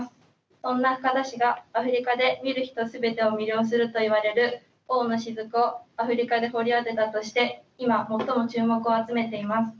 そんな深田氏がアフリカで見る人すべてを魅了するといわれる王のしずくをアフリカで掘り当てたとして今、最も注目を集めています。